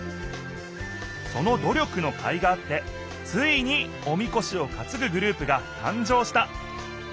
そのど力のかいがあってついにおみこしをかつぐグループがたん生した。